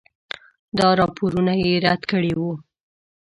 دا راپورونه یې رد کړي وو.